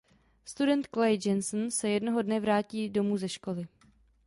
Student Clay Jensen se jednoho dne vrátí domů ze školy.